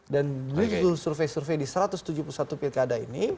dan disurvei survei di satu ratus tujuh puluh satu pilkada ini